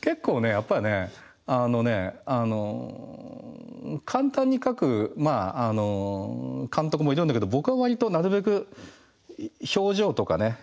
結構ねやっぱりねあのね簡単に描く監督もいるんだけど僕は割となるべく表情とかね